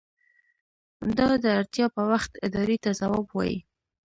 دا د اړتیا په وخت ادارې ته ځواب وايي.